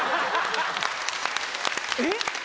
えっ？